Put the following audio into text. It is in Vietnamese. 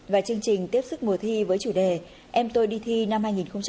và chương trình tiếp sức mùa thi với chủ đề em tôi đi thi năm hai nghìn hai mươi